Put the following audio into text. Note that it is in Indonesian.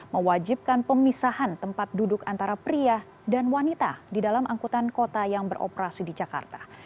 mewajibkan pemisahan tempat duduk antara pria dan wanita di dalam angkutan kota yang beroperasi di jakarta